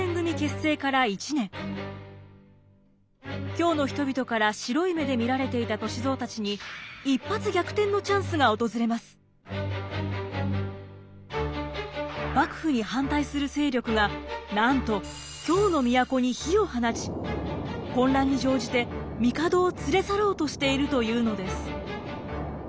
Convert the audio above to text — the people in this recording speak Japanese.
京の人々から白い目で見られていた歳三たちに幕府に反対する勢力がなんと京の都に火を放ち混乱に乗じて帝を連れ去ろうとしているというのです。